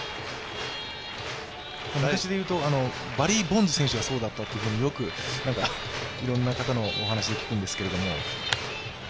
昔で言うと、バリー・ボンズ選手がそうだったといろんな方のお話を聞くんですけど。